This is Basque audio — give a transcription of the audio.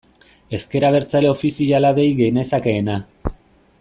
Ezker Abertzale ofiziala dei genezakeena.